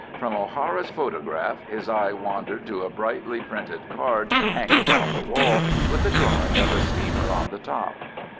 From O'Hara's photograph his eye wandered to a brightly printed card hanging on the wall, with a drawing of a steamer on the top.